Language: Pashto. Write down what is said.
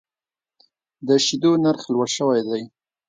د شیدو نرخ لوړ شوی دی.